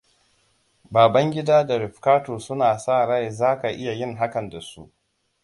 Babangidaaa da Rifkatu suna sa rai za ka iya yin hakan da su.